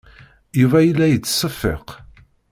Yuba yella yettseffiq.